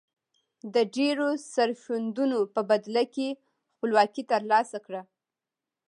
د ډیرو سرښندنو په بدله کې خپلواکي تر لاسه کړه.